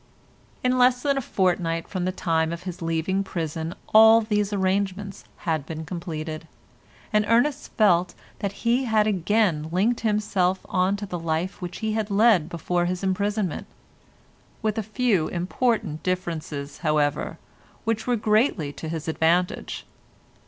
In less than a fortnight from the time of his leaving prison all these arrangements had been completed, and Ernest felt that he had again linked himself on to the life which he had led before his imprisonment—with a few important differences, however, which were greatly to his advantage.